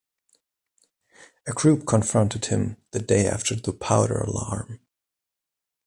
A group confronted him the day after the Powder Alarm.